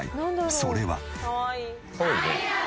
それは。